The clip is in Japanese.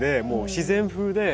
自然風で。